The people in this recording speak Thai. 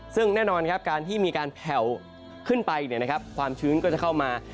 ซึ่งแน่นอนครับการที่มีการแผ่วขึ้นไปความชื้นก็จะเข้ามา